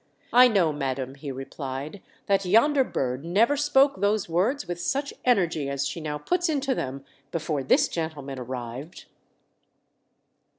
"I know, madam," he replied, "that yonder bird never spoke those words with such energy as she now puts into them before this gentleman arrived."